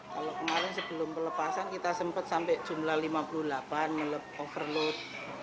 kalau kemarin sebelum pelepasan kita sempat sampai jumlah lima puluh delapan overload